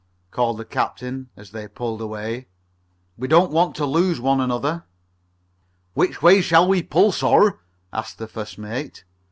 called the captain, as they pulled away. "We don't want to lose one another." "Which way shall we pull, sir?" asked the first mate.